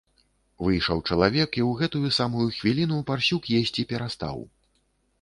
Выйшаў чалавек, і ў гэтую самую хвіліну парсюк есці перастаў.